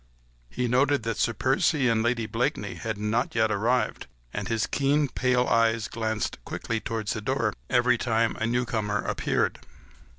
He noted that Sir Percy and Lady Blakeney had not yet arrived, and his keen, pale eyes glanced quickly towards the door every time a newcomer appeared.